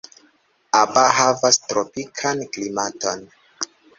Aba havas tropikan klimaton.